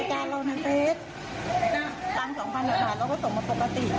ใส่ยางที่บ้านส่งไป